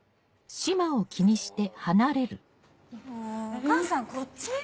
お母さんこっち？